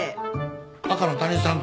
赤の他人さんと？